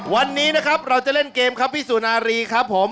วันนี้นะครับเราจะเล่นเกมครับพี่สุนารีครับผม